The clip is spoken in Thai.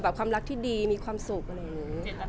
ความรักที่ดีมีความสุขอะไรอย่างนี้